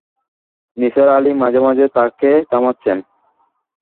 নিসার আলি মাঝে-মাঝে তাঁকে থামাচ্ছেন।